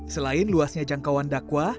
selain luasnya jangkauan dakwah